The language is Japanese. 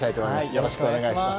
よろしくお願いします。